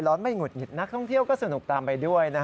ไม่หุดหงิดนักท่องเที่ยวก็สนุกตามไปด้วย